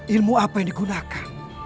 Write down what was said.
ilmu apa yang digunakan